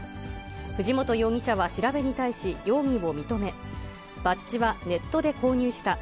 藤本容疑者は調べに対し容疑を認め、バッジはネットで購入した。